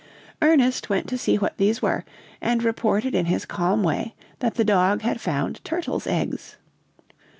Ernest went to see what these were, and reported in his calm way that the dog had found turtles' eggs.